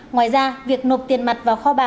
ngoài ra việc nộp tiền mặt vào kho